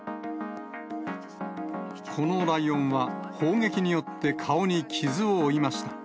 このライオンは砲撃によって顔に傷を負いました。